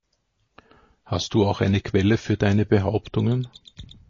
Hast du auch eine Quelle für deine Behauptungen?